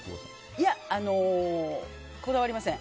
いや、こだわりません。